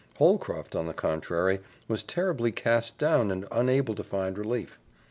Holcroft, on the contrary, was terribly cast down and unable to find relief.